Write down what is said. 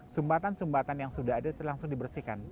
sumbatan sumbatan yang sudah ada itu langsung dibersihkan